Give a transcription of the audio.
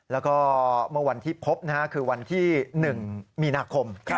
แล้วก็เมื่อวันที่พบคือวันที่๑มีนาคม